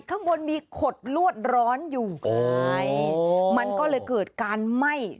ข้างบนมีขดลวดร้อนอยู่ใช่มันก็เลยเกิดการไหม้